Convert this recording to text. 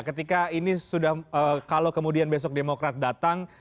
ketika ini sudah kalau kemudian besok demokrat datang